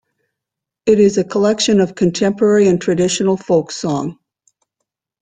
It is a collection of contemporary and traditional folk song.